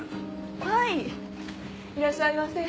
はいいらっしゃいませ。